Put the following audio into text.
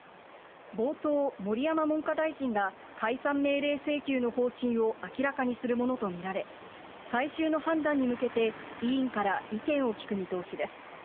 冒頭、盛山文科大臣が解散命令請求の方針を明らかにするものと見られ、最終の判断に向けて、委員から意見を聞く見通しです。